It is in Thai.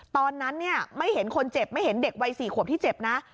ตอนนั้นเนี่ยไม่เห็นคนเจ็บไม่เห็นเด็กวัย๔ขวบที่เจ็บนะ